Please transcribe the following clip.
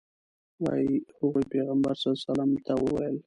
وایي هغوی پیغمبر صلی الله علیه وسلم ته وویل.